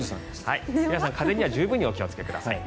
皆さん、風邪には十分お気をつけください。